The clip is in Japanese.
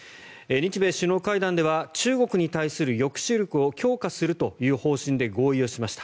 日米首脳会談では中国に対する抑止力を強化するという方針で合意をしました。